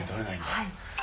はい。